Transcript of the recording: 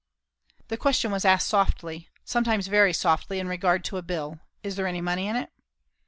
The question was asked softly, sometimes very softly, in regard to a bill: "Is there any money in it?"